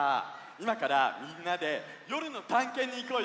いまからみんなでよるのたんけんにいこうよ！